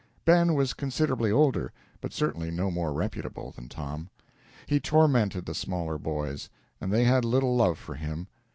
Ben was considerably older, but certainly no more reputable, than Tom. He tormented the smaller boys, and they had little love for him.